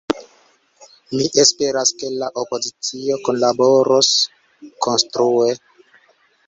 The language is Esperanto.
Mi esperas, ke la opozicio kunlaboros konstrue.